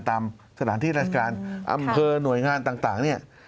ตามสถานที่ราชการอำเภอหน่วยงานต่างเนี่ย